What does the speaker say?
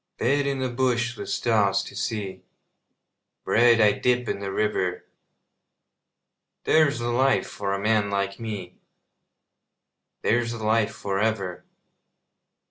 Bed in the bush with stars to see, Bread I dip in the river There's the life for a man like me, There's the life for ever.